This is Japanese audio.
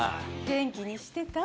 元気にしてた？